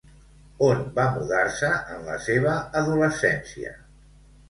On va mudar-se en la seva adolescència?